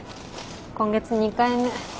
今月２回目。